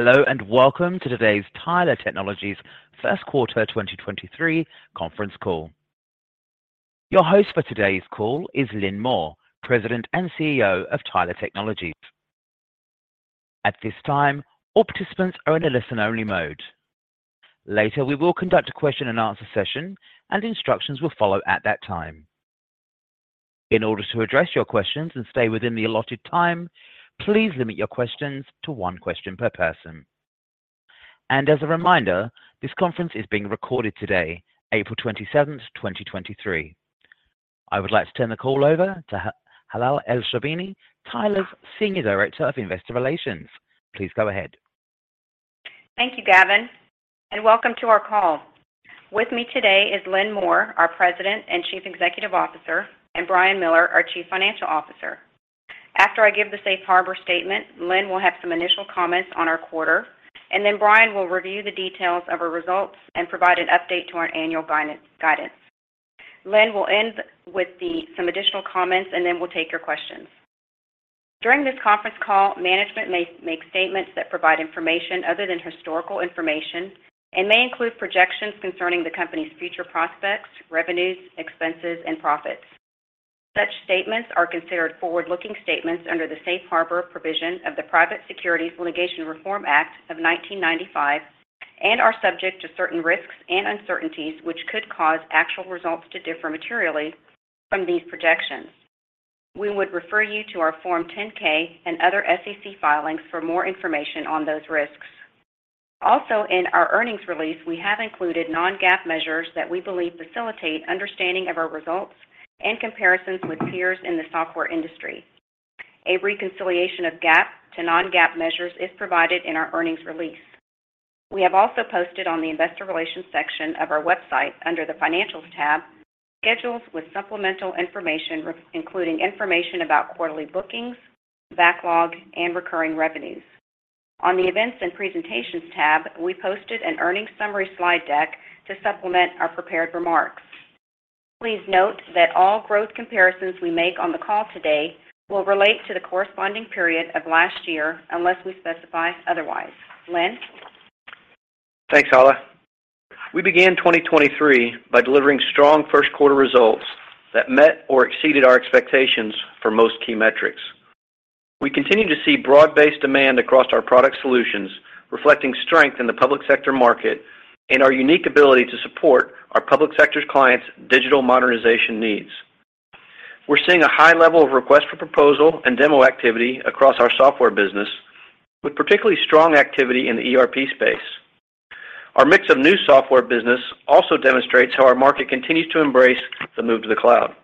Hello, and welcome to today's Tyler Technologies first quarter 2023 conference call. Your host for today's call is Lynn Moore, President and CEO of Tyler Technologies. At this time, all participants are in a listen-only mode. Later, we will conduct a question-and-answer session. Instructions will follow at that time. In order to address your questions and stay within the allotted time, please limit your questions to one question per person. As a reminder, this conference is being recorded today, April 27, 2023. I would like to turn the call over to Hala Elsherbini, Tyler's Senior Director of Investor Relations. Please go ahead. Thank you, Gavin. Welcome to our call. With me today is Lynn Moore, our President and Chief Executive Officer, and Brian Miller, our Chief Financial Officer. After I give the Safe Harbor statement, Lynn will have some initial comments on our quarter, and then Brian will review the details of our results and provide an update to our annual guidance. Lynn will end with some additional comments, and then we'll take your questions. During this conference call, management may make statements that provide information other than historical information and may include projections concerning the company's future prospects, revenues, expenses, and profits. Such statements are considered forward-looking statements under the Safe Harbor provision of the Private Securities Litigation Reform Act of 1995 and are subject to certain risks and uncertainties which could cause actual results to differ materially from these projections. We would refer you to our Form 10-K and other SEC filings for more information on those risks. Also, in our earnings release, we have included Non-GAAP measures that we believe facilitate understanding of our results and comparisons with peers in the software industry. A reconciliation of GAAP to Non-GAAP measures is provided in our earnings release. We have also posted on the investor relations section of our website under the Financials tab, schedules with supplemental information, including information about quarterly bookings, backlog, and recurring revenues. On the Events and Presentations tab, we posted an earnings summary slide deck to supplement our prepared remarks. Please note that all growth comparisons we make on the call today will relate to the corresponding period of last year unless we specify otherwise. Lynn? Thanks, Hala. We began 2023 by delivering strong first quarter results that met or exceeded our expectations for most key metrics. We continue to see broad-based demand across our product solutions, reflecting strength in the public sector market and our unique ability to support our public sector's clients' digital modernization needs. We're seeing a high level of request for proposal and demo activity across our software business, with particularly strong activity in the ERP space. Our mix of new software business also demonstrates how our market continues to embrace the move to the cloud.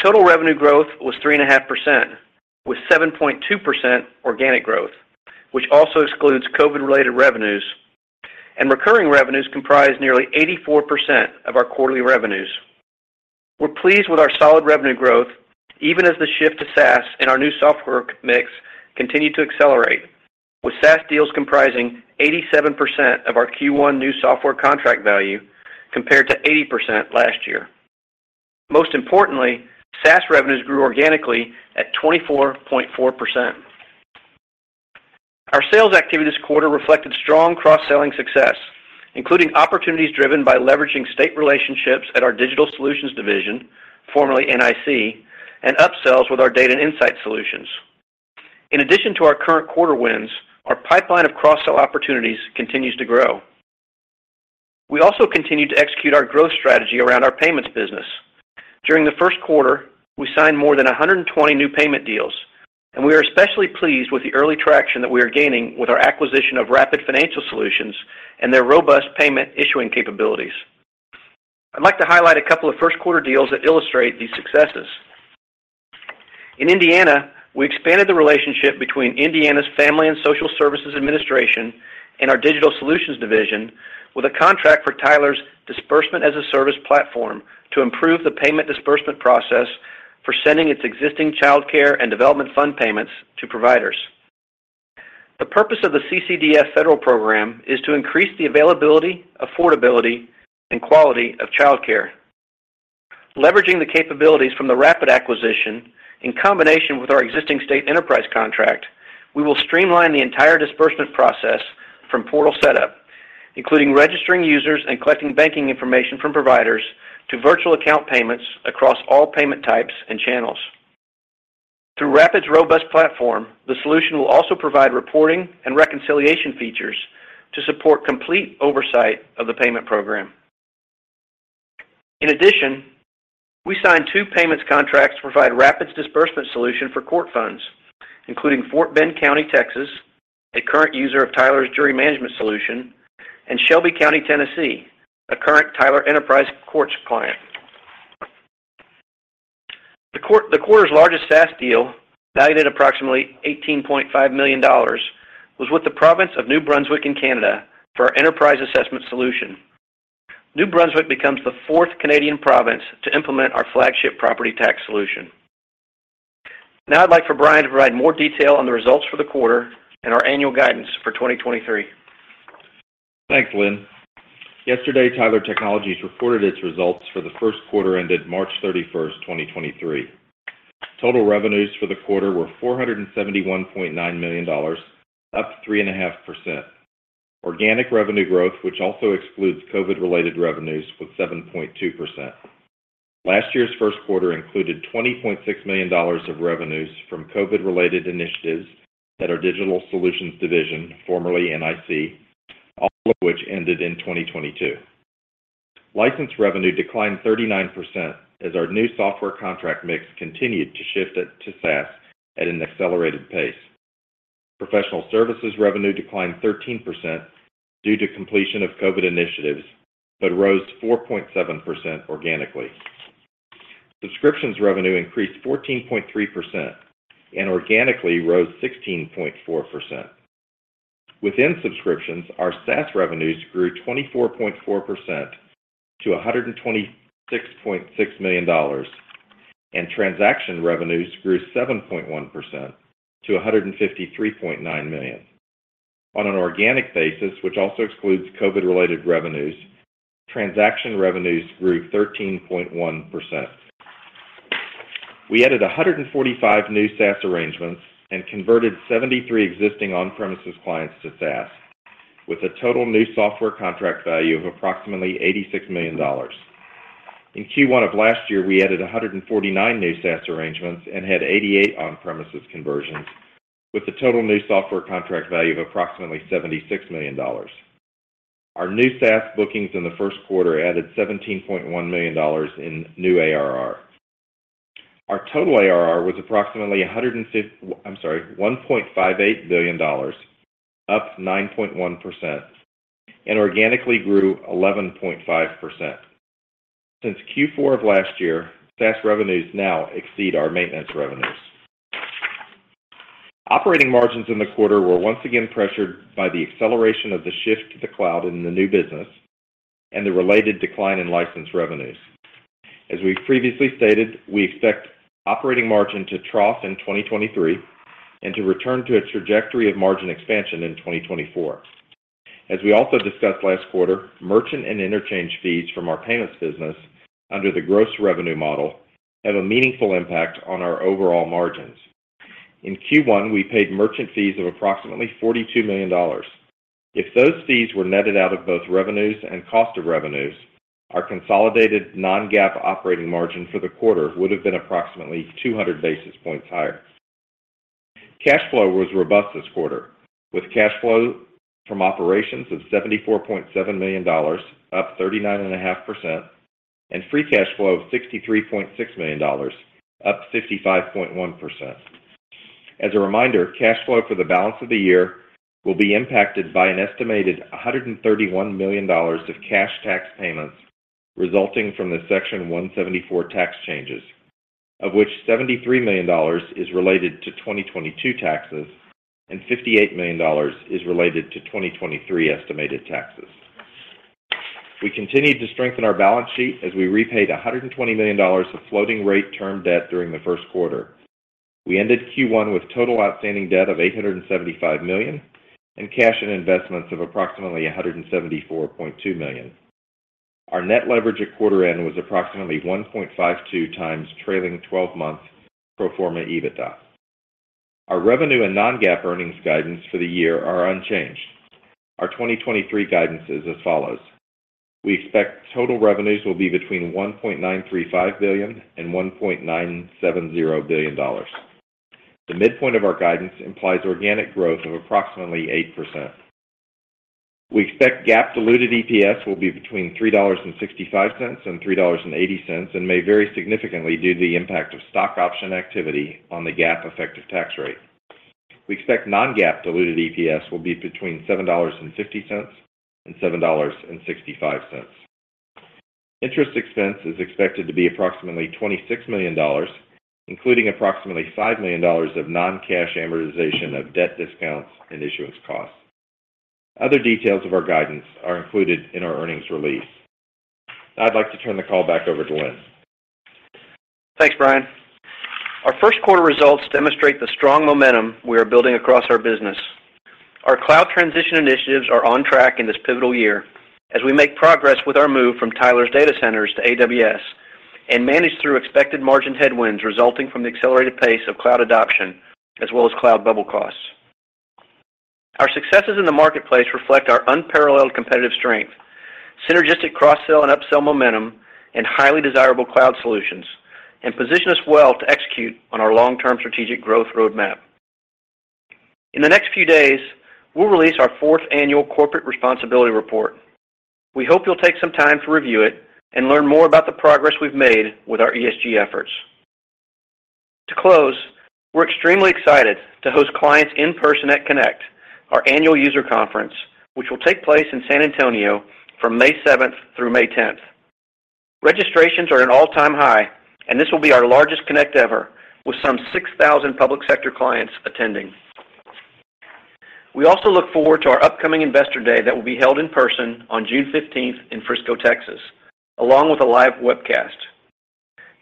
Total revenue growth was 3.5%, with 7.2% organic growth, which also excludes COVID-related revenues, and recurring revenues comprised nearly 84% of our quarterly revenues. We're pleased with our solid revenue growth, even as the shift to SaaS and our new software mix continue to accelerate, with SaaS deals comprising 87% of our Q1 new software contract value compared to 80% last year. Most importantly, SaaS revenues grew organically at 24.4%. Our sales activity this quarter reflected strong cross-selling success, including opportunities driven by leveraging state relationships at our Digital Solutions division, formerly NIC, and upsells with our Data and Insights solutions. In addition to our current quarter wins, our pipeline of cross-sell opportunities continues to grow. We also continued to execute our growth strategy around our payments business. During the first quarter, we signed more than 120 new payment deals, and we are especially pleased with the early traction that we are gaining with our acquisition of Rapid Financial Solutions and their robust payment issuing capabilities. I'd like to highlight a couple of first quarter deals that illustrate these successes. In Indiana, we expanded the relationship between Indiana's Family and Social Services Administration and our Digital Solutions division with a contract for Tyler's Disbursement-as-a-Service platform to improve the payment disbursement process for sending its existing Child Care and Development Fund payments to providers. The purpose of the CCDF federal program is to increase the availability, affordability, and quality of childcare. Leveraging the capabilities from the Rapid acquisition in combination with our existing state enterprise contract, we will streamline the entire disbursement process from portal setup, including registering users and collecting banking information from providers to virtual account payments across all payment types and channels. Through Rapid's robust platform, the solution will also provide reporting and reconciliation features to support complete oversight of the payment program. In addition, we signed two payments contracts to provide Rapid's disbursement solution for court funds, including Fort Bend County, Texas, a current user of Tyler's jury management solution, and Shelby County, Tennessee, a current Tyler Enterprise courts client. The quarter's largest SaaS deal, valued at approximately $18.5 million, was with the province of New Brunswick in Canada for our enterprise assessment solution. New Brunswick becomes the fourth Canadian province to implement our flagship property tax solution. Now I'd like for Brian to provide more detail on the results for the quarter and our annual guidance for 2023. Thanks, Lynn. Yesterday, Tyler Technologies reported its results for the first quarter ended March 31st, 2023. Total revenues for the quarter were $471.9 million, up 3.5%. Organic revenue growth, which also excludes COVID-related revenues, was 7.2%. Last year's first quarter included $20.6 million of revenues from COVID-related initiatives at our Digital Solutions division, formerly NIC, all of which ended in 2022. License revenue declined 39% as our new software contract mix continued to shift it to SaaS at an accelerated pace. Professional services revenue declined 13% due to completion of COVID initiatives, but rose 4.7% organically. Subscriptions revenue increased 14.3 and organically rose 16.4%. Within subscriptions, our SaaS revenues grew 24.4% to $126.6 million, and transaction revenues grew 7.1% to $153.9 million. On an organic basis, which also excludes COVID-related revenues, transaction revenues grew 13.1%. We added 145 new SaaS arrangements and converted 73 existing on-premises clients to SaaS with a total new software contract value of approximately $86 million. In Q1 of last year, we added 149 new SaaS arrangements and had 88 on-premises conversions with a total new software contract value of approximately $76 million. Our new SaaS bookings in the first quarter added $17.1 million in new ARR. Our total ARR was approximately 150... I'm sorry, $1.58 billion, up 9.1%, and organically grew 11.5%. Since Q4 of last year, SaaS revenues now exceed our maintenance revenues. Operating margins in the quarter were once again pressured by the acceleration of the shift to the cloud in the new business and the related decline in license revenues. As we've previously stated, we expect operating margin to trough in 2023 and to return to a trajectory of margin expansion in 2024. As we also discussed last quarter, merchant and interchange fees from our payments business under the gross revenue model have a meaningful impact on our overall margins. In Q1, we paid merchant fees of approximately $42 million. If those fees were netted out of both revenues and cost of revenues, our consolidated Non-GAAP operating margin for the quarter would have been approximately 200 basis points higher. Cash flow was robust this quarter, with cash flow from operations of $74.7 million, up 39.5%, and free cash flow of $63.6 million, up 55.1%. As a reminder, cash flow for the balance of the year will be impacted by an estimated $131 million of cash tax payments resulting from the Section 174 tax changes, of which $73 million is related to 2022 taxes and $58 million is related to 2023 estimated taxes. We continued to strengthen our balance sheet as we repaid $120 million of floating rate term debt during the first quarter. We ended Q1 with total outstanding debt of $875 million and cash and investments of approximately $174.2 million. Our net leverage at quarter end was approximately 1.52x trailing 12 months pro forma EBITDA. Our revenue and Non-GAAP earnings guidance for the year are unchanged. Our 2023 guidance is as follows. We expect total revenues will be between $1.935 billion and $1.970 billion. The midpoint of our guidance implies organic growth of approximately 8%. We expect GAAP diluted EPS will be between $3.65 and $3.80 and may vary significantly due to the impact of stock option activity on the GAAP effective tax rate. We expect Non-GAAP diluted EPS will be between $7.50 and $7.65. Interest expense is expected to be approximately $26 million, including approximately $5 million of non-cash amortization of debt discounts and issuance costs. Other details of our guidance are included in our earnings release. I'd like to turn the call back over to Lynn. Thanks, Brian. Our first quarter results demonstrate the strong momentum we are building across our business. Our cloud transition initiatives are on track in this pivotal year as we make progress with our move from Tyler's data centers to AWS and manage through expected margin headwinds resulting from the accelerated pace of cloud adoption as well as cloud bubble costs. Our successes in the marketplace reflect our unparalleled competitive strength, synergistic cross-sell and upsell momentum and highly desirable cloud solutions, and position us well to execute on our long-term strategic growth roadmap. In the next few days, we'll release our fourth annual corporate responsibility report. We hope you'll take some time to review it and learn more about the progress we've made with our ESG efforts. To close, we're extremely excited to host clients in person at Connect, our annual user conference, which will take place in San Antonio from May 7th through May 10th. Registrations are at an all-time high, and this will be our largest Connect ever, with some 6,000 public sector clients attending. We also look forward to our upcoming Investor Day that will be held in person on June 15th in Frisco, Texas, along with a live webcast.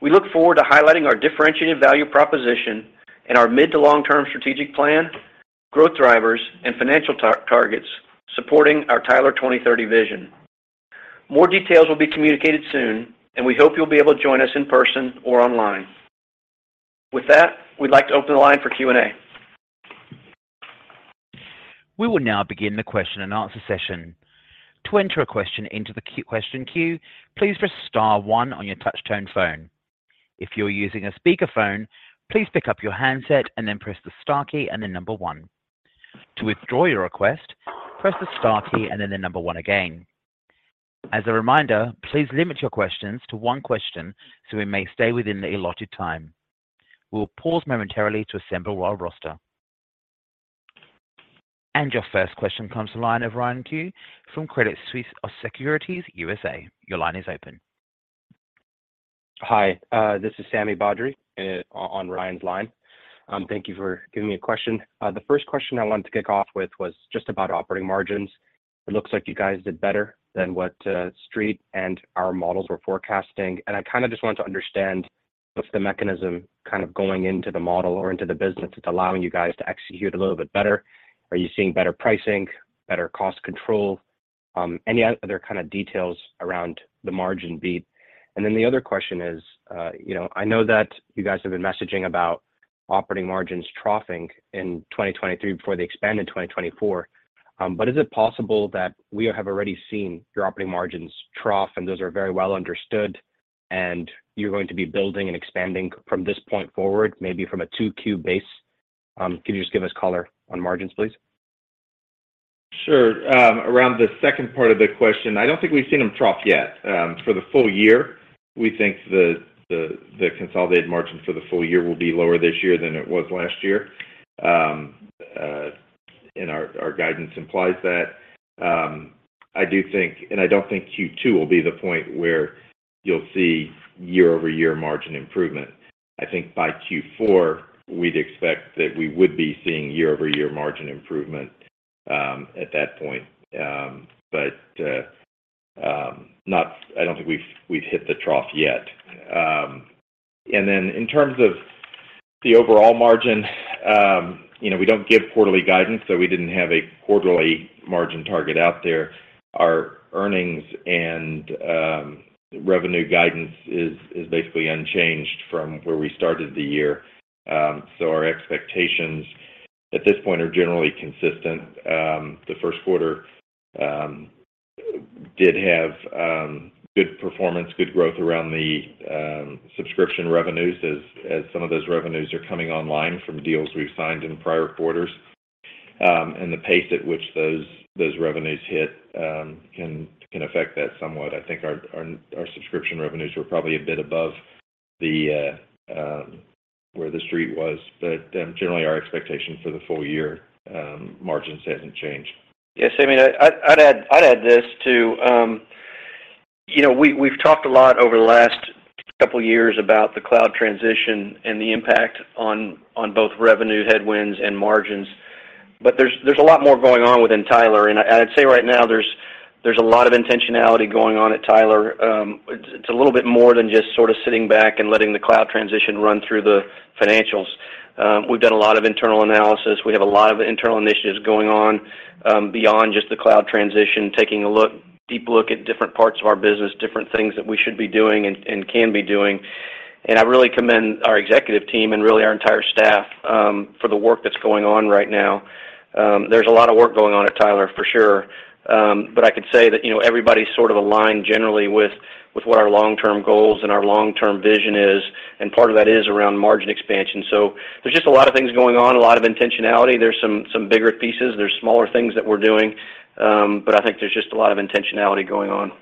We look forward to highlighting our differentiated value proposition and our mid to long-term strategic plan, growth drivers, and financial targets supporting our Tyler 2030 vision. More details will be communicated soon, and we hope you'll be able to join us in person or online. With that, we'd like to open the line for Q&A. We will now begin the question-and-answer session. To enter a question into the question queue, please press star one on your touch-tone phone. If you're using a speakerphone, please pick up your handset and then press the star key and then number one. To withdraw your request, press the star key and then the number one again. As a reminder, please limit your questions to one question so we may stay within the allotted time. We'll pause momentarily to assemble our roster. Your first question comes to line of Ryan Qiu from Credit Suisse Securities USA. Your line is open. Hi, this is Sami Badri on Ryan's line. Thank you for giving me a question. The first question I wanted to kick off with was just about operating margins. It looks like you guys did better than what Street and our models were forecasting. I kinda just wanted to understand, what's the mechanism kind of going into the model or into the business that's allowing you guys to execute a little bit better? Are you seeing better pricing, better cost control? Any other kind of details around the margin beat? The other question is, you know, I know that you guys have been messaging about operating margins troughing in 2023 before they expand in 2024. Is it possible that we have already seen your operating margins trough, and those are very well understood, and you're going to be building and expanding from this point forward, maybe from a 2Q base? Can you just give us color on margins, please? Sure. Around the second part of the question, I don't think we've seen them trough yet. For the full year, we think the, the consolidated margin for the full year will be lower this year than it was last year. Our guidance implies that. I don't think Q2 will be the point where you'll see year-over-year margin improvement. I think by Q4, we'd expect that we would be seeing year-over-year margin improvement at that point. I don't think we've hit the trough yet. In terms of the overall margin, you know, we don't give quarterly guidance, so we didn't have a quarterly margin target out there. Our earnings and revenue guidance is basically unchanged from where we started the year. Our expectations at this point are generally consistent. The first quarter did have good performance, good growth around the subscription revenues as some of those revenues are coming online from deals we've signed in prior quarters. The pace at which those revenues hit can affect that somewhat. I think our subscription revenues were probably a bit above the where the Street was. Generally our expectation for the full year margins hasn't changed. Yeah. Sammy, I'd add this too. You know, we've talked a lot over the last couple years about the cloud transition and the impact on both revenue headwinds and margins. There's a lot more going on within Tyler, and I'd say right now there's a lot of intentionality going on at Tyler. It's a little bit more than just sort of sitting back and letting the cloud transition run through the financials. We've done a lot of internal analysis. We have a lot of internal initiatives going on, beyond just the cloud transition, deep look at different parts of our business, different things that we should be doing and can be doing. I really commend our executive team and really our entire staff, for the work that's going on right now. There's a lot of work going on at Tyler for sure. I could say that, you know, everybody's sort of aligned generally with what our long-term goals and our long-term vision is, and part of that is around margin expansion. There's just a lot of things going on, a lot of intentionality. There's some bigger pieces. There's smaller things that we're doing. I think there's just a lot of intentionality going on.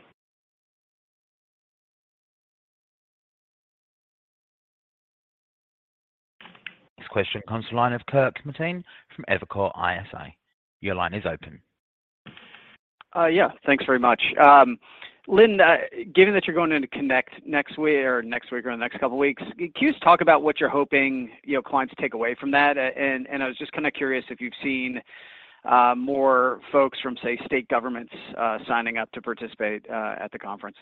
This question comes to line of Kirk Materne from Evercore ISI. Your line is open. Yeah. Thanks very much. Lynn, given that you're going into Connect next week or in the next couple of weeks, can you just talk about what you're hoping, you know, clients to take away from that? And I was just kinda curious if you've seen more folks from, say, state governments, signing up to participate at the conference?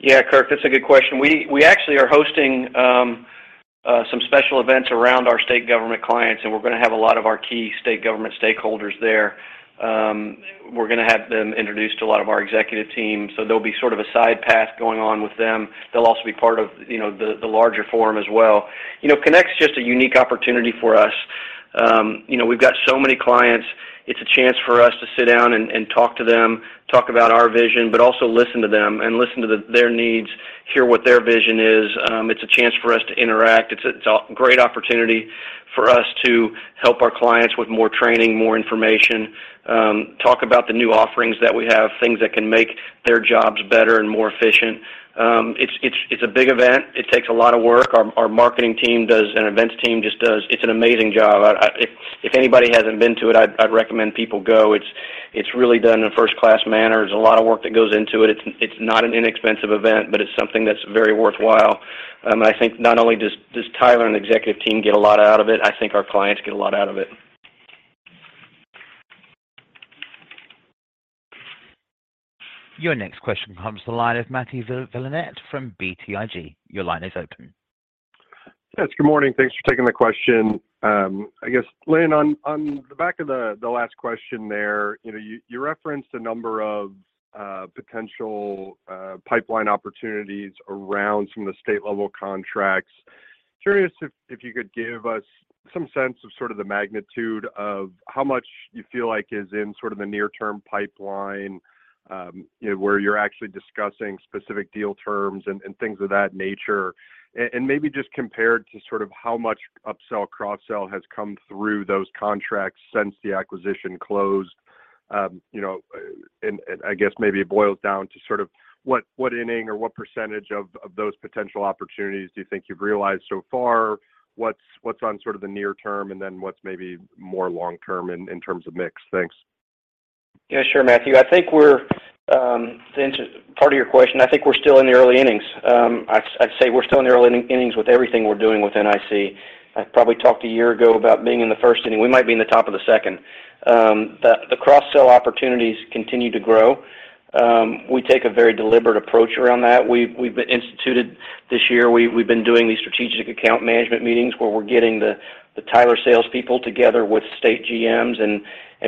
Yeah, Kirk, that's a good question. We actually are hosting some special events around our state government clients, and we're gonna have a lot of our key state government stakeholders there. We're gonna have them introduced to a lot of our executive team, so there'll be sort of a side path going on with them. They'll also be part of, you know, the larger forum as well. You know, Connect's just a unique opportunity for us. You know, we've got so many clients. It's a chance for us to sit down and talk to them, talk about our vision, but also listen to them and listen to their needs, hear what their vision is. It's a chance for us to interact. It's a great opportunity for us to help our clients with more training, more information, talk about the new offerings that we have, things that can make their jobs better and more efficient. It's a big event. It takes a lot of work. Our marketing team and events team just does an amazing job. I If anybody hasn't been to it, I'd recommend people go. It's really done in a first-class manner. There's a lot of work that goes into it. It's not an inexpensive event, but it's something that's very worthwhile. I think not only does Tyler and the executive team get a lot out of it, I think our clients get a lot out of it. Your next question comes the line of Matthew VanVliet from BTIG. Your line is open. Yes. Good morning. Thanks for taking the question. I guess, Lynn, on the back of the last question there, you know, you referenced a number of potential pipeline opportunities around some of the state-level contracts. Curious if you could give us some sense of sort of the magnitude of how much you feel like is in sort of the near-term pipeline, you know, where you're actually discussing specific deal terms and things of that nature. Maybe just compared to sort of how much upsell, cross-sell has come through those contracts since the acquisition closed. You know, I guess maybe it boils down to sort of what inning or what % of those potential opportunities do you think you've realized so far? What's on sort of the near-term, and then what's maybe more long-term in terms of mix? Thanks. Yeah, sure, Matthew. I think we're to answer part of your question, I think we're still in the early innings. I'd say we're still in the early innings with everything we're doing with NIC. I probably talked a year ago about being in the first inning. We might be in the top of the second. The cross-sell opportunities continue to grow. We take a very deliberate approach around that. We've instituted this year. We've been doing these strategic account management meetings where we're getting the Tyler salespeople together with state GMs and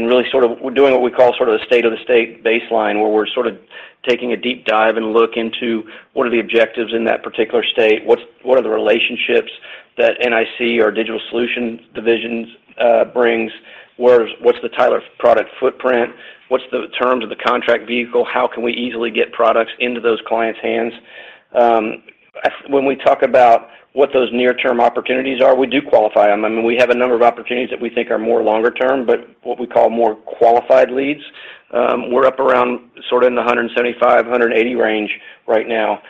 really sort of we're doing what we call sort of the state of the state baseline, where we're sort of taking a deep dive and look into what are the objectives in that particular state, what are the relationships that NIC or Digital Solutions divisions brings, what's the Tyler product footprint, what's the terms of the contract vehicle, how can we easily get products into those clients' hands. When we talk about what those near-term opportunities are, we do qualify them. I mean, we have a number of opportunities that we think are more longer term, but what we call more qualified leads. We're up around sort of in the 175-180 range right now.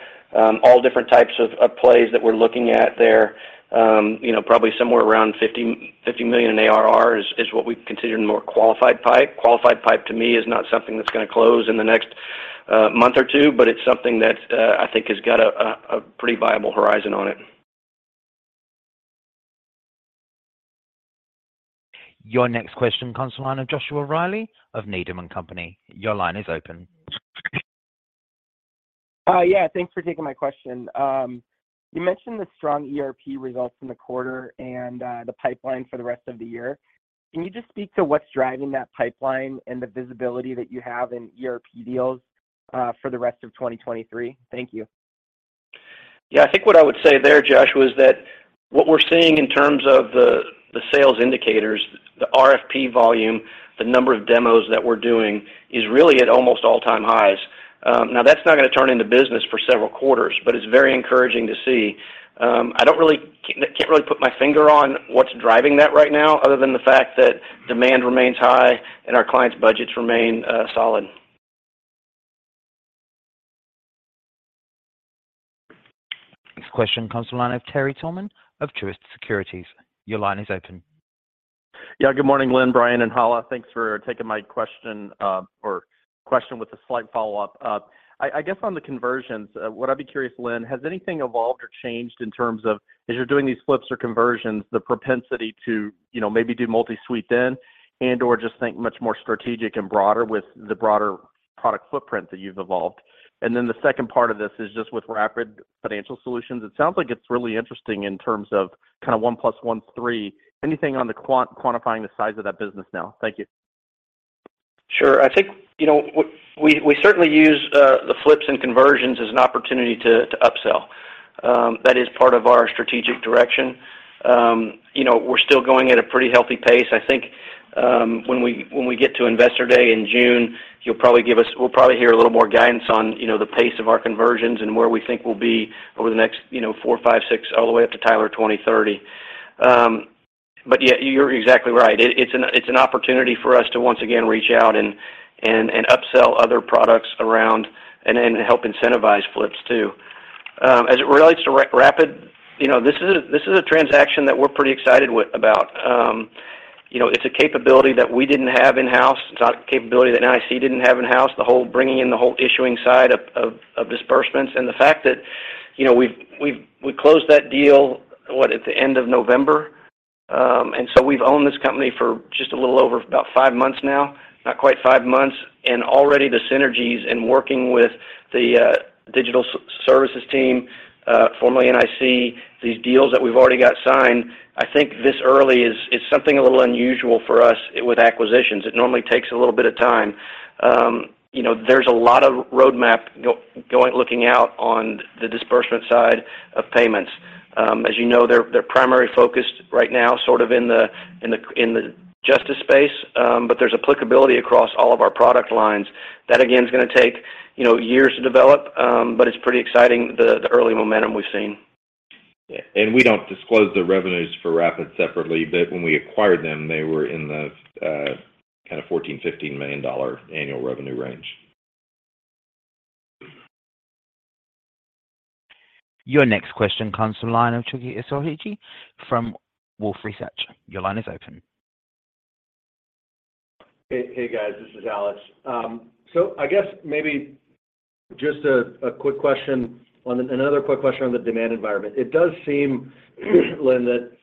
All different types of plays that we're looking at there. You know, probably somewhere around $50 million in ARR is what we consider more qualified pipe. Qualified pipe to me is not something that's gonna close in the next month or two, but it's something that I think has got a pretty viable horizon on it. Your next question comes the line of Joshua Reilly of Needham & Company. Your line is open. Yeah, thanks for taking my question. You mentioned the strong ERP results in the quarter and the pipeline for the rest of the year. Can you just speak to what's driving that pipeline and the visibility that you have in ERP deals for the rest of 2023? Thank you. I think what I would say there, Joshua, is that what we're seeing in terms of the sales indicators, the RFP volume, the number of demos that we're doing is really at almost all-time highs. That's not gonna turn into business for several quarters, but it's very encouraging to see. I don't really can't really put my finger on what's driving that right now other than the fact that demand remains high and our clients' budgets remain solid. Next question comes to line of Terry Tillman of Truist Securities. Your line is open. Yeah. Good morning, Lynn, Brian, and Hala. Thanks for taking my question, or question with a slight follow-up. I guess on the conversions, what I'd be curious, Lynn, has anything evolved or changed in terms of as you're doing these flips or conversions, the propensity to, you know, maybe do multi-suite then and/or just think much more strategic and broader with the broader product footprint that you've evolved? The second part of this is just with Rapid Financial Solutions. It sounds like it's really interesting in terms of kind of one plus one is 3. Anything on the quantifying the size of that business now? Thank you. Sure. I think, you know, we certainly use the flips and conversions as an opportunity to upsell. That is part of our strategic direction. you know, we're still going at a pretty healthy pace. I think, when we get to Investor Day in June, we'll probably hear a little more guidance on, you know, the pace of our conversions and where we think we'll be over the next, you know, four, five, six, all the way up to Tyler 2030. Yeah, you're exactly right. It's an opportunity for us to once again reach out and upsell other products around and then help incentivize flips too. As it relates to Rapid, you know, this is a transaction that we're pretty excited about. You know, it's a capability that we didn't have in-house. It's not a capability that NIC didn't have in-house, the whole bringing in the whole issuing side of disbursements. The fact that, you know, we've closed that deal, what, at the end of November. We've owned this company for just a little over about five months now, not quite five months. Already the synergies in working with the Digital Solutions team, formerly NIC, these deals that we've already got signed, I think this early is something a little unusual for us with acquisitions. It normally takes a little bit of time. You know, there's a lot of roadmap going, looking out on the disbursement side of payments. As you know, their primary focus right now sort of in the justice space, but there's applicability across all of our product lines. That, again, is gonna take, you know, years to develop, but it's pretty exciting, the early momentum we've seen. Yeah. We don't disclose the revenues for Rapid separately, but when we acquired them, they were in the kind of $14 million-$15 million annual revenue range. Your next question comes from the line of Chucky Esoliji from Wolfe Research. Your line is open. Hey guys, this is Alex. I guess maybe just another quick question on the demand environment. It does seem, Lynn, that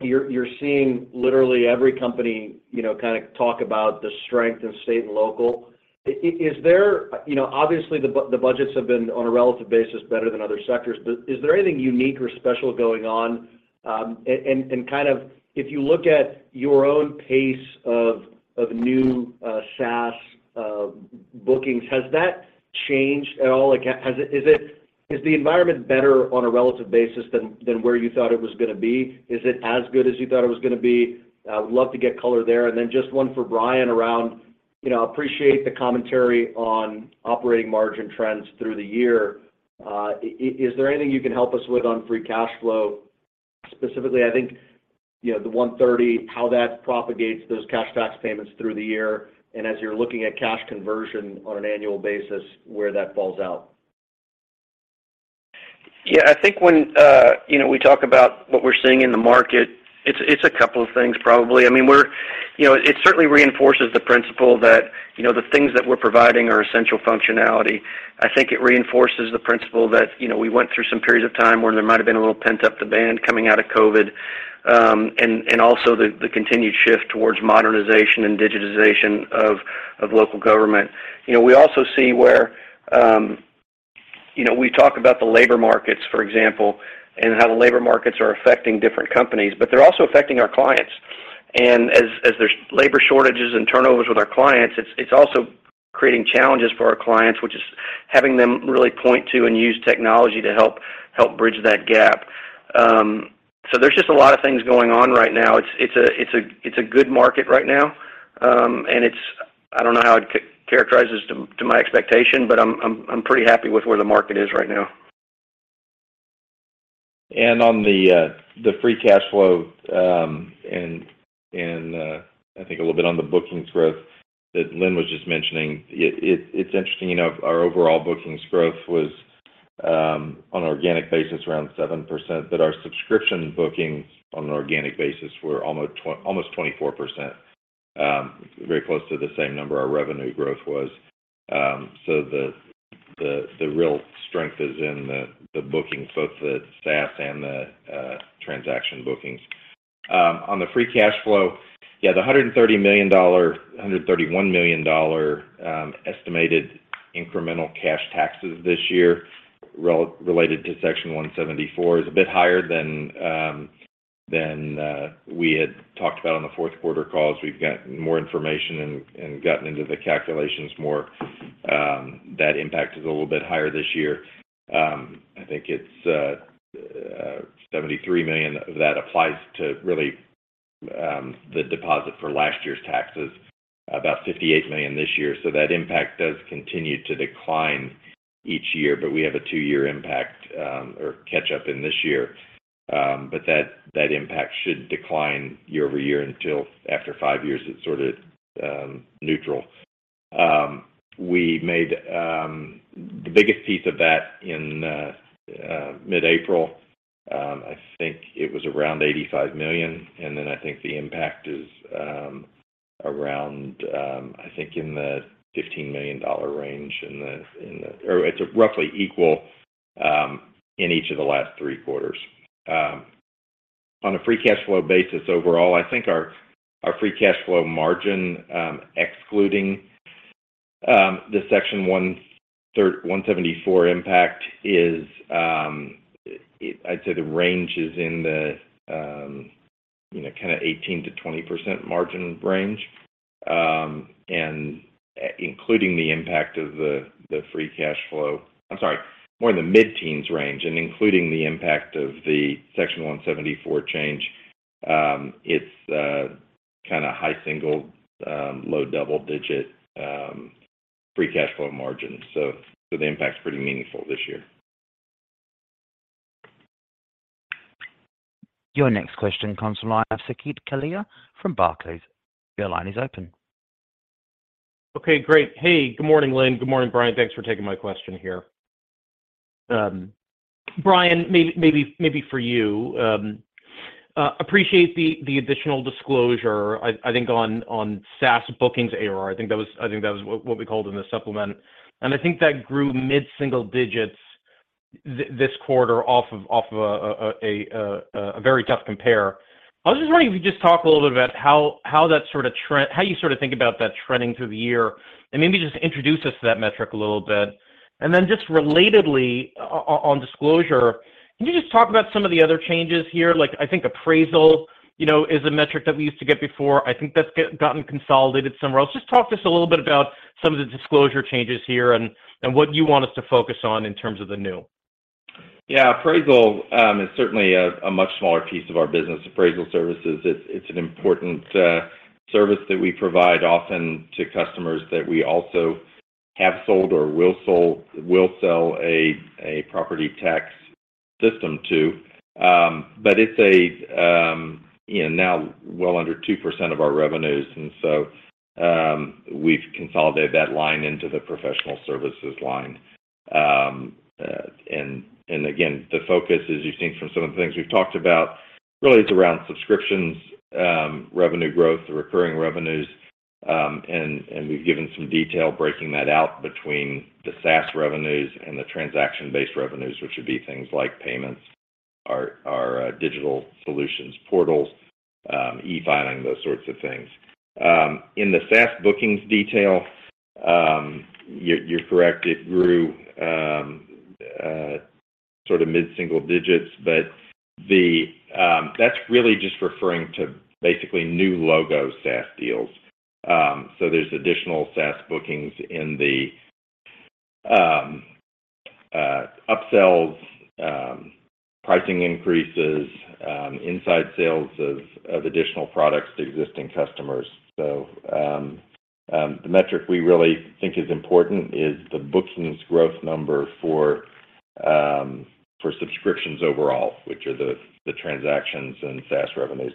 You're seeing literally every company, you know, kind of talk about the strength of state and local. Is there? You know, obviously the budgets have been on a relative basis better than other sectors, but is there anything unique or special going on? And kind of if you look at your own pace of new SaaS bookings, has that changed at all? Like, is the environment better on a relative basis than where you thought it was gonna be? Is it as good as you thought it was gonna be? I would love to get color there. Then just one for Brian around, you know, appreciate the commentary on operating margin trends through the year. Is there anything you can help us with on free cash flow? Specifically, I think, you know, the 130, how that propagates those cash tax payments through the year and as you're looking at cash conversion on an annual basis, where that falls out. Yeah. I think when, you know, we talk about what we're seeing in the market, it's a couple of things probably. I mean, you know, it certainly reinforces the principle that, you know, the things that we're providing are essential functionality. I think it reinforces the principle that, you know, we went through some periods of time where there might have been a little pent-up demand coming out of COVID, and also the continued shift towards modernization and digitization of local government. You know, we also see where, you know, we talk about the labor markets, for example, and how the labor markets are affecting different companies, but they're also affecting our clients. As there's labor shortages and turnovers with our clients, it's also creating challenges for our clients, which is having them really point to and use technology to help bridge that gap. There's just a lot of things going on right now. It's a good market right now, and it's... I don't know how I'd characterize this to my expectation, but I'm pretty happy with where the market is right now. On the free cash flow, and I think a little bit on the bookings growth that Lynn was just mentioning. It's interesting, you know, our overall bookings growth was on an organic basis around 7%, but our subscription bookings on an organic basis were almost 24%. Very close to the same number our revenue growth was. The real strength is in the bookings, both the SaaS and the transaction bookings. On the free cash flow, yeah, the $130 million-$131 million estimated incremental cash taxes this year related to Section 174 is a bit higher than we had talked about on the fourth quarter call. As we've got more information and gotten into the calculations more, that impact is a little bit higher this year. I think it's $73 million that applies to really the deposit for last year's taxes. About $58 million this year. That impact does continue to decline each year, but we have a two-year impact or catch up in this year. That impact should decline year-over-year until after five years, it's sort of neutral. We made the biggest piece of that in mid-April. I think it was around $85 million, and then I think the impact is around I think in the $15 million range or it's roughly equal in each of the last three quarters. On a free cash flow basis overall, I think our free cash flow margin, excluding the Section 174 impact is, I'd say the range is in the, you know, kinda 18%-20% margin range. More in the mid-teens range and including the impact of the Section 174 change, it's kinda high single, low double-digit free cash flow margin. The impact's pretty meaningful this year. Your next question comes from Saket Kalia from Barclays. Your line is open. Okay, great. Hey, good morning, Lynn. Good morning, Brian. Thanks for taking my question here. Brian, maybe for you. appreciate the additional disclosure, I think on SaaS bookings ARR. I think that was what we called in the supplement. I think that grew mid-single digits this quarter off of a very tough compare. I was just wondering if you could just talk a little bit about how that sort of how you sort of think about that trending through the year, and maybe just introduce us to that metric a little bit. just relatedly on disclosure, can you just talk about some of the other changes here? Like, I think appraisal, you know, is a metric that we used to get before. I think that's gotten consolidated somewhere else. Just talk to us a little bit about some of the disclosure changes here and what you want us to focus on in terms of the new. Yeah. Appraisal is certainly a much smaller piece of our business, appraisal services. It's an important service that we provide often to customers that we also have sold or will sell a property tax system to. It's, you know, now well under 2% of our revenues. We've consolidated that line into the professional services line. And again, the focus, as you've seen from some of the things we've talked about, really it's around subscriptions, revenue growth, recurring revenues. We've given some detail breaking that out between the SaaS revenues and the transaction-based revenues, which would be things like payments, our Digital Solutions portals, e-filing, those sorts of things. In the SaaS bookings detail, you're correct, it grew sort of mid-single digits. That's really just referring to basically new logo SaaS deals. There's additional SaaS bookings in the upsells, pricing increases, inside sales of additional products to existing customers. The metric we really think is important is the bookings growth number for subscriptions overall, which are the transactions and SaaS revenues,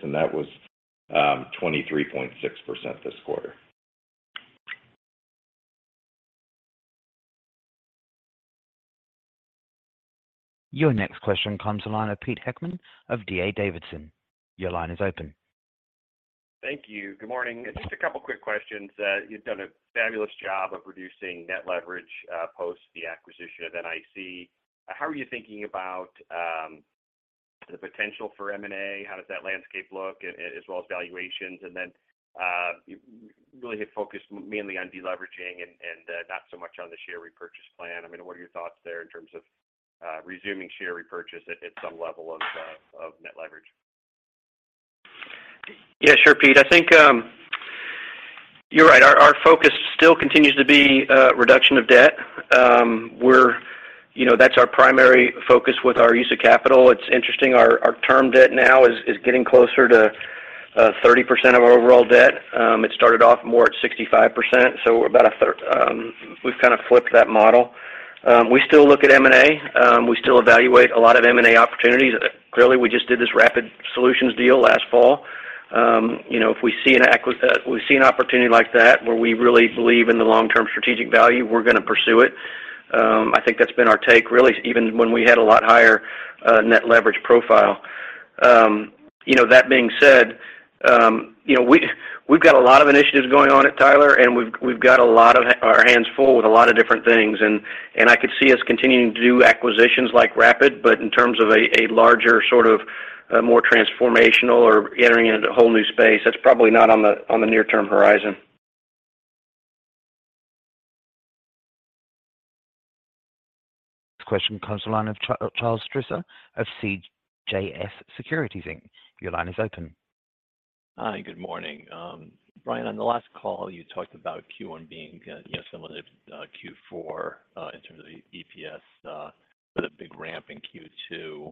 and that was 23.6% this quarter. Your next question comes the line of Peter Heckmann of D.A. Davidson. Your line is open. Thank you. Good morning. Just a couple quick questions. You've done a fabulous job of reducing net leverage, post the acquisition of NIC. How are you thinking about the potential for M&A? How does that landscape look, as well as valuations? Then, you really have focused mainly on deleveraging and not so much on the share repurchase plan. I mean, what are your thoughts there in terms of resuming share repurchase at some level of net leverage? Yeah, sure, Pete. I think, you're right. Our focus still continues to be reduction of debt. You know, that's our primary focus with our use of capital. It's interesting, our term debt now is getting closer to 30% of our overall debt. It started off more at 65%, so about a third. We've kind of flipped that model. We still look at M&A. We still evaluate a lot of M&A opportunities. Clearly, we just did this Rapid Solutions deal last fall. You know, if we see an opportunity like that where we really believe in the long-term strategic value, we're gonna pursue it. I think that's been our take really even when we had a lot higher net leverage profile. You know, that being said, you know, we've got a lot of initiatives going on at Tyler, and we've got a lot of our hands full with a lot of different things. I could see us continuing to do acquisitions like Rapid, but in terms of a larger sort of, more transformational or entering into a whole new space, that's probably not on the near-term horizon. Question comes the line of Charles Strauzer of CJS Securities, Inc. Your line is open. Hi. Good morning. Brian, on the last call, you talked about Q1 being, you know, similar to Q4, in terms of the EPS, but a big ramp in Q2.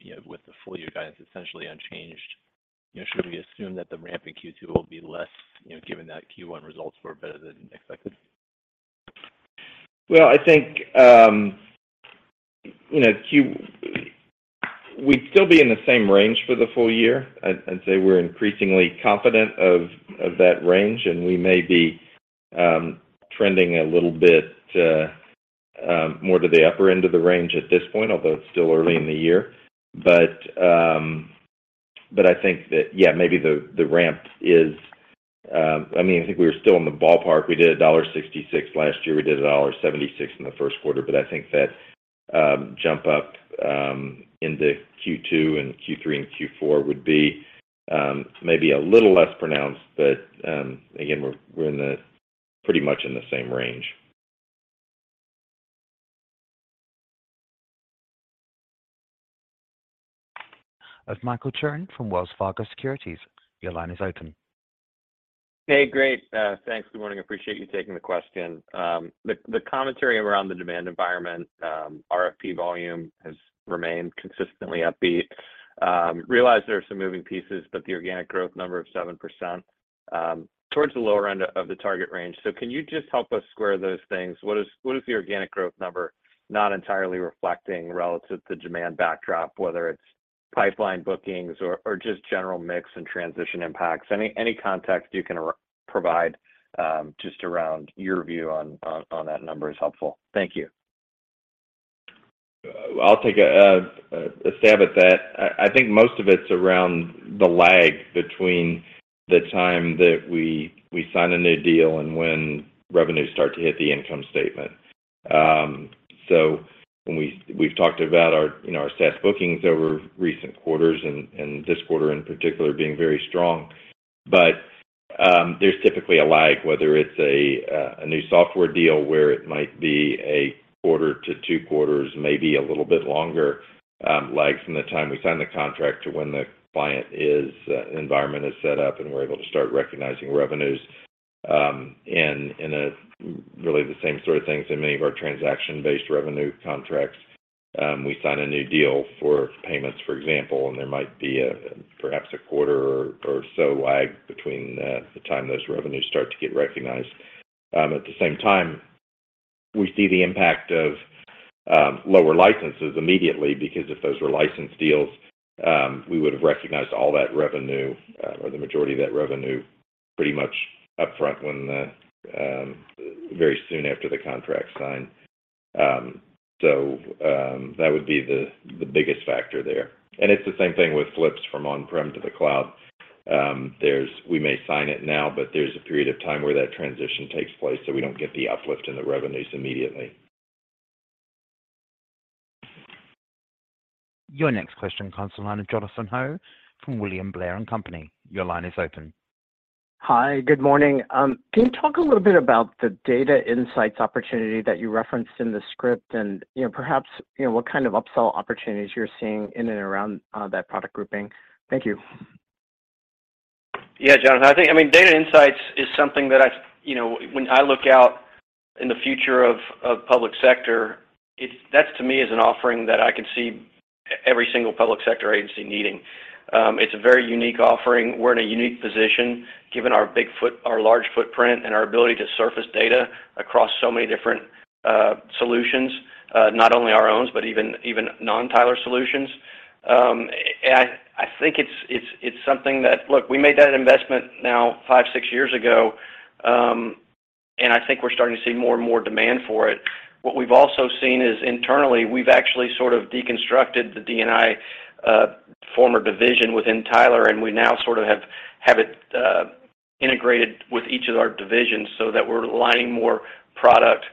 you know, with the full year guidance essentially unchanged, you know, should we assume that the ramp in Q2 will be less, you know, given that Q1 results were better than expected? I think, you know, We'd still be in the same range for the full year. I'd say we're increasingly confident of that range, and we may be trending a little bit more to the upper end of the range at this point, although it's still early in the year. I think that, yeah, maybe the ramp is. I mean, I think we were still in the ballpark. We did $1.66 last year. We did $1.76 in the first quarter. I think that jump up into Q2 and Q3 and Q4 would be maybe a little less pronounced. Again, we're in the pretty much in the same range. Of Michael Turrin from Wells Fargo Securities. Your line is open. Hey, great. thanks. Good morning. Appreciate you taking the question. The commentary around the demand environment, RFP volume has remained consistently upbeat. Realize there are some moving pieces, the organic growth number of 7%, towards the lower end of the target range. Can you just help us square those things? What is the organic growth number not entirely reflecting relative to demand backdrop, whether it's pipeline bookings or just general mix and transition impacts? Any context you can provide just around your view on that number is helpful. Thank you. I'll take a stab at that. I think most of it's around the lag between the time that we sign a new deal and when revenues start to hit the income statement. When we've talked about our, you know, our SaaS bookings over recent quarters and this quarter in particular being very strong. There's typically a lag, whether it's a new software deal where it might be one quarter to two quarters, maybe a little bit longer, lag from the time we sign the contract to when the client is environment is set up and we're able to start recognizing revenues. In a really the same sort of things in many of our transaction-based revenue contracts, we sign a new deal for payments, for example, and there might be a, perhaps a quarter or so lag between the time those revenues start to get recognized. At the same time, we see the impact of lower licenses immediately because if those were license deals, we would have recognized all that revenue, or the majority of that revenue pretty much upfront when the very soon after the contract's signed. That would be the biggest factor there. It's the same thing with flips from on-prem to the cloud. We may sign it now, but there's a period of time where that transition takes place, so we don't get the uplift in the revenues immediately. Your next question comes the line of Jonathan Ho from William Blair & Company. Your line is open. Hi. Good morning. Can you talk a little bit about the Data and Insights opportunity that you referenced in the script and, you know, perhaps, you know, what kind of upsell opportunities you're seeing in and around that product grouping? Thank you. Jonathan, I think, I mean, Data and Insights is something that I, you know, when I look out in the future of public sector, that to me is an offering that I can see every single public sector agency needing. It's a very unique offering. We're in a unique position given our large footprint and our ability to surface data across so many different solutions, not only our owns, but even non-Tyler solutions. I think it's something that... Look, we made that investment now five, six years ago, I think we're starting to see more and more demand for it. What we've also seen is internally, we've actually sort of deconstructed the DNI former division within Tyler, and we now sort of have it integrated with each of our divisions so that we're aligning more product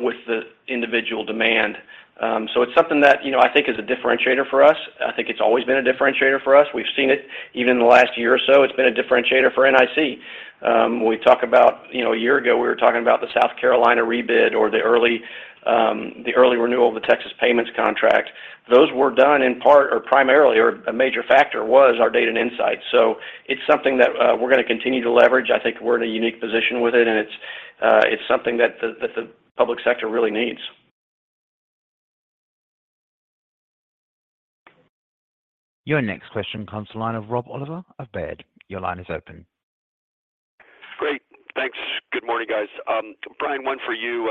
with the individual demand. It's something that, you know, I think is a differentiator for us. I think it's always been a differentiator for us. We've seen it even in the last year or so, it's been a differentiator for NIC. When we talk about, you know, a year ago, we were talking about the South Carolina rebid or the early the early renewal of the Texas payments contract. Those were done in part or primarily, or a major factor was our Data and Insights. It's something that we're gonna continue to leverage. I think we're in a unique position with it. It's something that the public sector really needs. Your next question comes to the line of Rob Oliver of Baird. Your line is open. Great. Thanks. Good morning, guys. Brian, one for you.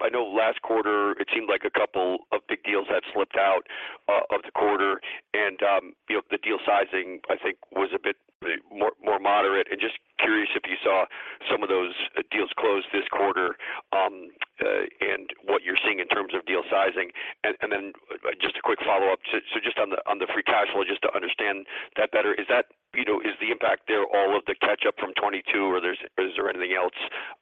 I know last quarter it seemed like a couple of big deals had slipped out of the quarter, and, you know, the deal sizing I think was a bit more moderate. Just curious if you saw some of those deals close this quarter, and what you're seeing in terms of deal sizing. And then just a quick follow-up. So just on the free cash flow, just to understand that better, is that? You know, is the impact there all of the catch up from 2022 or is there anything else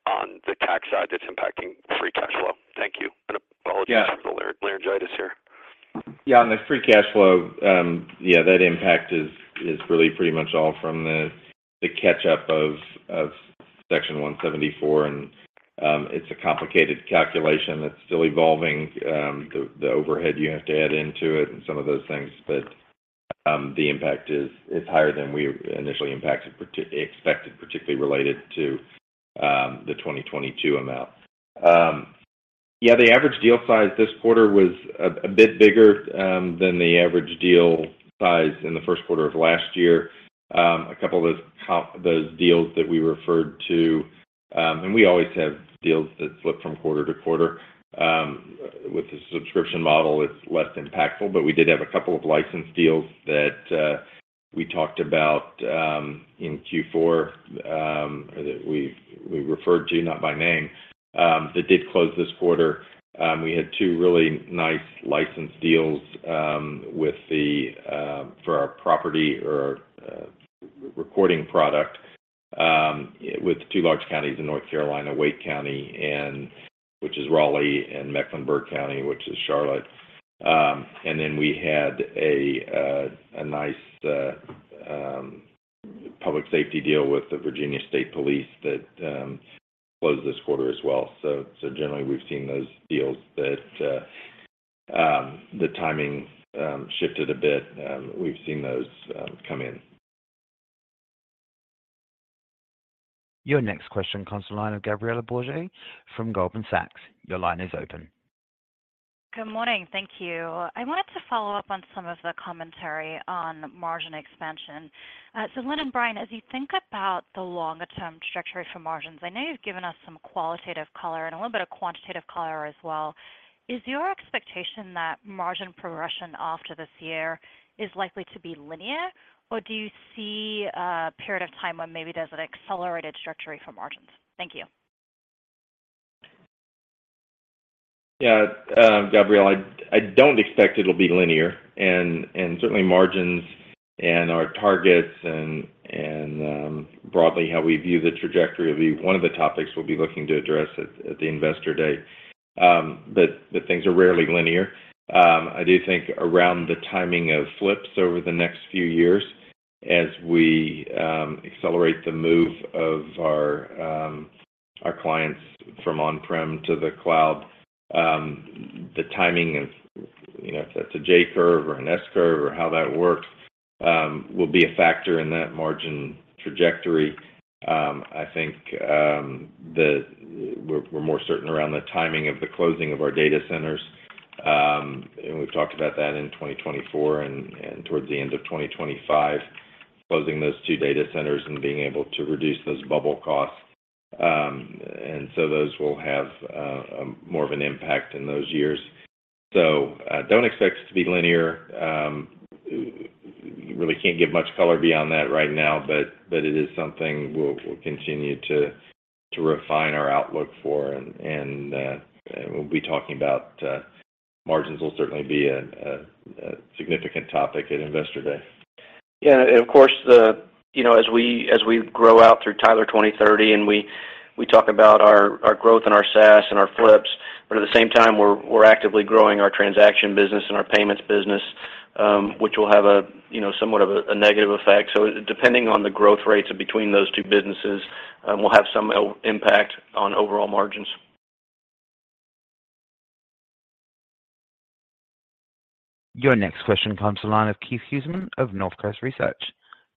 on the tax side that's impacting free cash flow? Thank you. Apologies. Yeah. For the laryngitis here. On the free cash flow, that impact is really pretty much all from the catch up of Section 174, and it's a complicated calculation that's still evolving, the overhead you have to add into it and some of those things. The impact is higher than we initially expected, particularly related to the 2022 amount. The average deal size this quarter was a bit bigger than the average deal size in the first quarter of last year. A couple of those deals that we referred to, and we always have deals that slip from quarter-to-quarter. With the subscription model, it's less impactful. We did have a couple of license deals that, we talked about, in Q4, that we referred to, not by name, that did close this quarter. We had two really nice license deals, with the, for our property or recording product, with two large counties in North Carolina, Wake County and which is Raleigh, and Mecklenburg County, which is Charlotte. We had a nice public safety deal with the Virginia State Police that closed this quarter as well. Generally we've seen those deals that, the timing, shifted a bit. We've seen those, come in. Your next question comes the line of Gabriela Borges from Goldman Sachs. Your line is open. Good morning. Thank you. I wanted to follow up on some of the commentary on margin expansion. Lynn and Brian, as you think about the longer term trajectory for margins, I know you've given us some qualitative color and a little bit of quantitative color as well. Is your expectation that margin progression after this year is likely to be linear, or do you see a period of time when maybe there's an accelerated trajectory for margins? Thank you. Yeah. Gabriela, I don't expect it'll be linear and certainly margins and our targets and broadly how we view the trajectory will be one of the topics we'll be looking to address at the Investor Day. Things are rarely linear. I do think around the timing of flips over the next few years as we accelerate the move of our clients from on-prem to the cloud, the timing of, you know, if that's a J curve or an S curve or how that works, will be a factor in that margin trajectory. I think we're more certain around the timing of the closing of our data centers. We've talked about that in 2024 and towards the end of 2025, closing those two data centers and being able to reduce those bubble costs. Those will have more of an impact in those years. Really can't give much color beyond that right now, but it is something we'll continue to refine our outlook for and we'll be talking about margins will certainly be a significant topic at Investor Day. Yeah. Of course, you know, as we grow out through Tyler 2030 and we talk about our growth in our SaaS and our flips, at the same time, we're actively growing our transaction business and our payments business, which will have a, you know, somewhat of a negative effect. Depending on the growth rates between those two businesses, will have some impact on overall margins. Your next question comes the line of Keith Housum of Northcoast Research.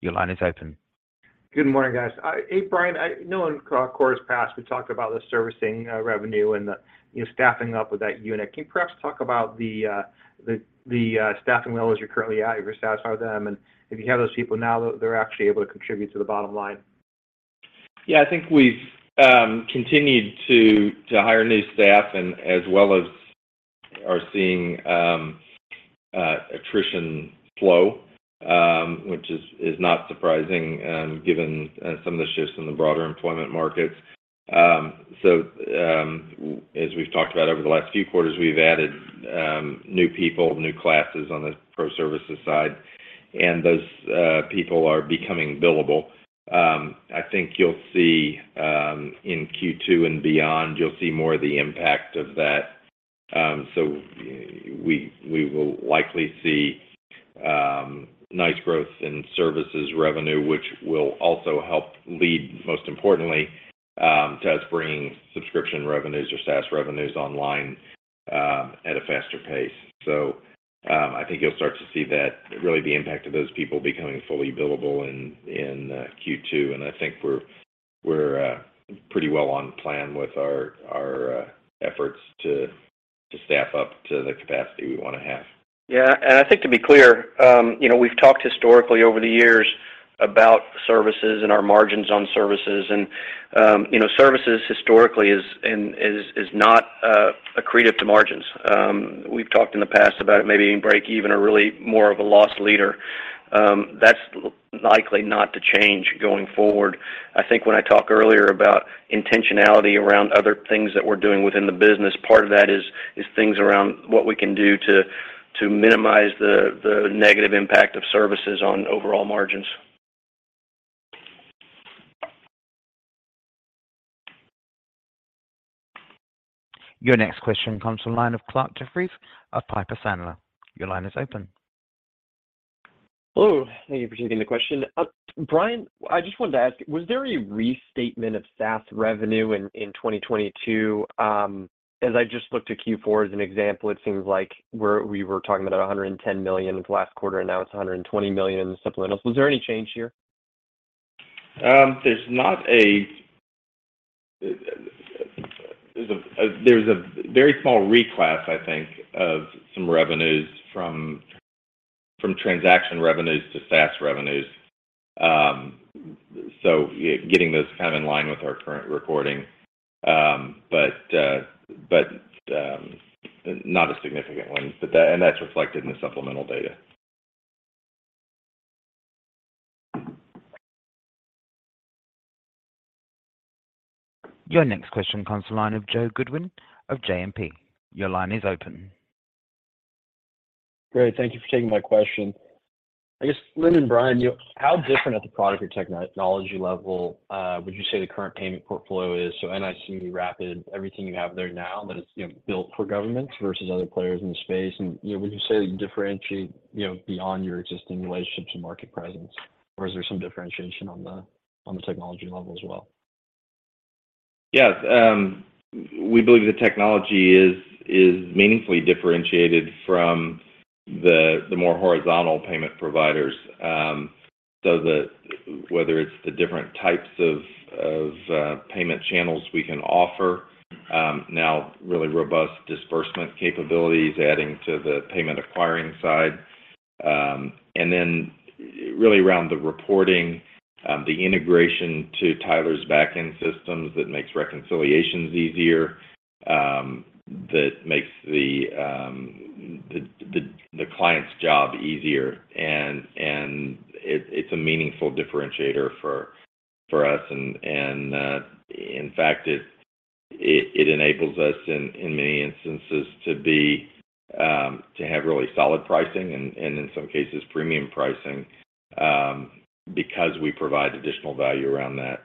Your line is open. Good morning, guys. Hey, Brian. I know in quarters past, we talked about the servicing revenue and the, you know, staffing up with that unit. Can you perhaps talk about the staffing levels you're currently at? You ever satisfied them? If you have those people now, they're actually able to contribute to the bottom line? I think we've continued to hire new staff and as well as are seeing attrition flow, which is not surprising, given some of the shifts in the broader employment markets. As we've talked about over the last few quarters, we've added new people, new classes on the pro services side, and those people are becoming billable. I think you'll see in Q2 and beyond, you'll see more of the impact of that. We will likely see nice growth in services revenue, which will also help lead, most importantly, to us bringing subscription revenues or SaaS revenues online at a faster pace. I think you'll start to see that, really the impact of those people becoming fully billable in Q2. I think we're pretty well on plan with our efforts to staff up to the capacity we wanna have. Yeah. I think to be clear, you know, we've talked historically over the years about services and our margins on services. You know, services historically is not accretive to margins. We've talked in the past about it maybe even break even or really more of a loss leader. That's likely not to change going forward. I think when I talked earlier about intentionality around other things that we're doing within the business, part of that is things around what we can do to minimize the negative impact of services on overall margins. Your next question comes from line of Clarke Jeffries of Piper Sandler. Your line is open. Hello. Thank you for taking the question. Brian, I just wanted to ask, was there a restatement of SaaS revenue in 2022? As I just looked at Q4 as an example, it seems like we were talking about $110 million last quarter, and now it's $120 million supplemental. Was there any change here? There's a very small reclass, I think, of some revenues from transaction revenues to SaaS revenues. Getting those kind of in line with our current recording. Not a significant one. That's reflected in the supplemental data. Your next question comes to line of Joe Goodwin of JMP. Your line is open. Great. Thank you for taking my question. I guess, Lynn and Brian, you know, how different at the product or technology level would you say the current payment portfolio is? NIC, Rapid, everything you have there now that is, you know, built for governments versus other players in the space. Would you say you differentiate, you know, beyond your existing relationships and market presence? Or is there some differentiation on the technology level as well? Yes. We believe the technology is meaningfully differentiated from the more horizontal payment providers. That whether it's the different types of payment channels we can offer, now really robust disbursement capabilities adding to the payment acquiring side. Then really around the reporting, the integration to Tyler's back-end systems that makes reconciliations easier, that makes the client's job easier. It's a meaningful differentiator for us. In fact, it enables us in many instances to be to have really solid pricing and in some cases premium pricing because we provide additional value around that.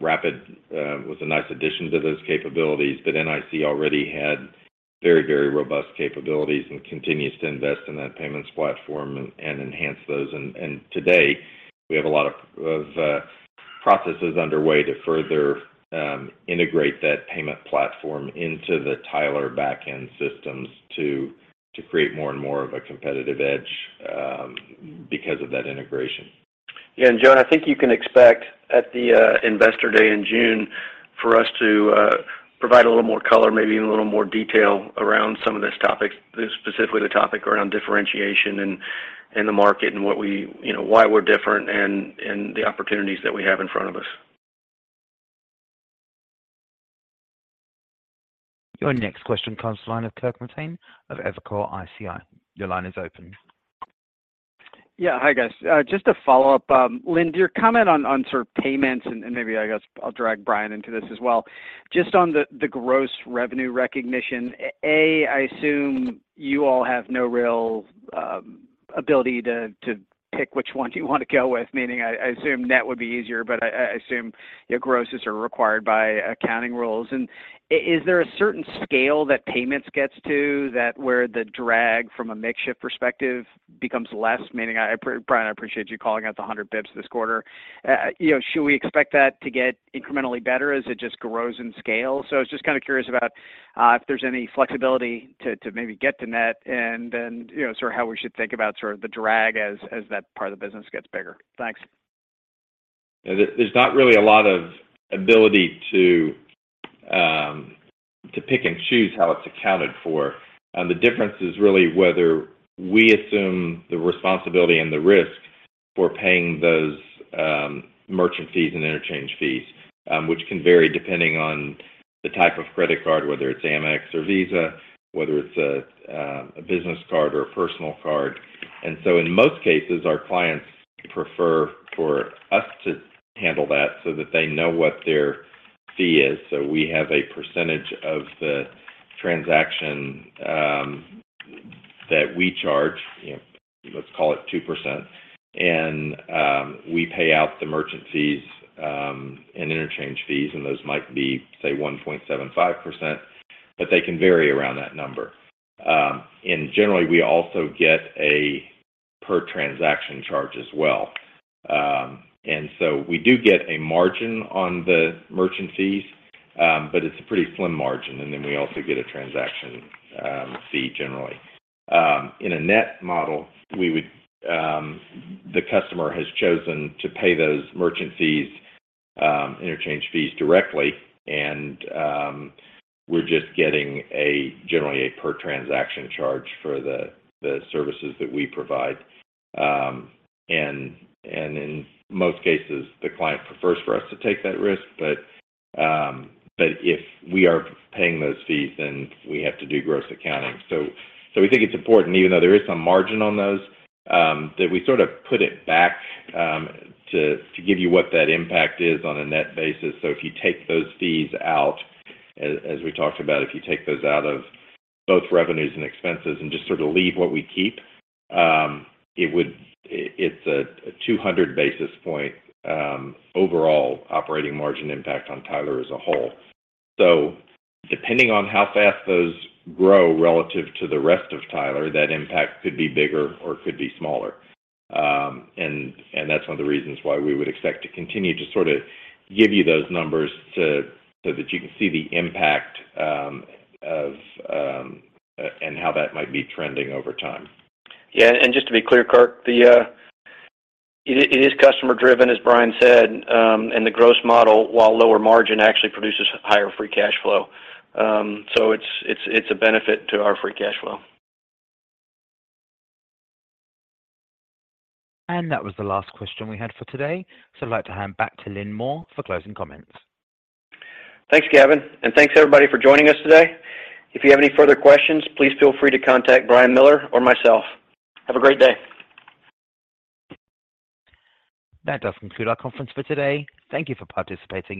Rapid was a nice addition to those capabilities. NIC already had very robust capabilities and continues to invest in that payments platform and enhance those. Today, we have a lot of processes underway to further integrate that payment platform into the Tyler back-end systems to create more and more of a competitive edge because of that integration. Yeah. John, I think you can expect at the Investor Day in June for us to provide a little more color, maybe even a little more detail around some of those topics, specifically the topic around differentiation and in the market and what we you know why we're different and the opportunities that we have in front of us. Your next question comes the line of Kirk Materne of Evercore ISI. Your line is open. Yeah, hi, guys. Just to follow up, Lynn, your comment on sort of payments, and maybe I guess I'll drag Brian into this as well. Just on the gross revenue recognition, I assume you all have no real ability to pick which one you want to go with. Meaning I assume net would be easier, but I assume your grosses are required by accounting rules. Is there a certain scale that payments gets to that where the drag from a mix shift perspective becomes less? Meaning Brian, I appreciate you calling out the 100 basis points this quarter. you know, should we expect that to get incrementally better as it just grows in scale? I was just kinda curious about, if there's any flexibility to maybe get to net and then, you know, sort of how we should think about sort of the drag as that part of the business gets bigger. Thanks. Yeah, there's not really a lot of ability to pick and choose how it's accounted for. The difference is really whether we assume the responsibility and the risk for paying those merchant fees and interchange fees, which can vary depending on the type of credit card, whether it's Amex or Visa, whether it's a business card or a personal card. In most cases, our clients prefer for us to handle that so that they know what their fee is. We have a percentage of the transaction that we charge, you know, let's call it 2%. We pay out the merchant fees and interchange fees, and those might be, say, 1.75%, but they can vary around that number. Generally, we also get a per transaction charge as well. We do get a margin on the merchant fees, but it's a pretty slim margin. We also get a transaction fee generally. In a net model, the customer has chosen to pay those merchant fees, interchange fees directly. We're just getting a generally a per transaction charge for the services that we provide. In most cases, the client prefers for us to take that risk, but if we are paying those fees, then we have to do gross accounting. We think it's important, even though there is some margin on those, that we sort of put it back to give you what that impact is on a net basis. If you take those fees out, as we talked about, if you take those out of both revenues and expenses and just sort of leave what we keep, it's a 200 basis point overall operating margin impact on Tyler as a whole. Depending on how fast those grow relative to the rest of Tyler, that impact could be bigger or could be smaller. And that's one of the reasons why we would expect to continue to sort of give you those numbers to, so that you can see the impact of and how that might be trending over time. Yeah. Just to be clear, Kirk, the, it is customer driven, as Brian said. The gross model, while lower margin, actually produces higher free cash flow. It's a benefit to our free cash flow. That was the last question we had for today, so I'd like to hand back to Lynn Moore for closing comments. Thanks, Gavin, and thanks everybody for joining us today. If you have any further questions, please feel free to contact Brian Miller or myself. Have a great day. That does conclude our conference for today. Thank you for participating.